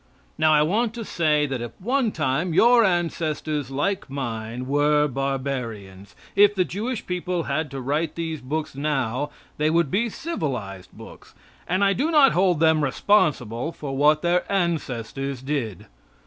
Now I want to say that at one time your ancestors, like mine, were barbarians. If the Jewish people had to write these books now they would be civilized books, and I do not hold them responsible for what their ancestors did.